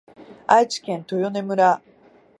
愛知県豊根村